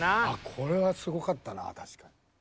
［これはスゴかったな確かに］